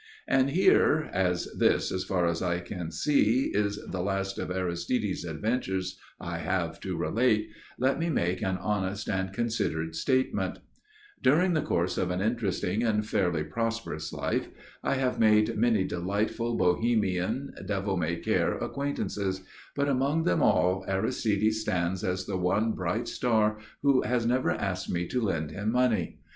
And here, as this (as far as I can see) is the last of Aristide's adventures I have to relate, let me make an honest and considered statement: During the course of an interesting and fairly prosperous life, I have made many delightful Bohemian, devil may care acquaintances, but among them all Aristide stands as the one bright star who has never asked me to lend him money.